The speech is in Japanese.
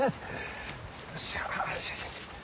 よっしゃ。